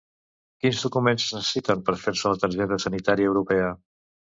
Quins documents es necessiten per fer-se la targeta sanitària europea?